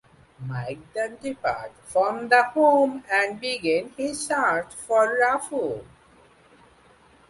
Mike then departs from the home and begins his search for Rafo.